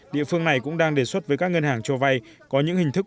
địa phương này cũng đang đề xuất với các ngân hàng cho vay có những hình thức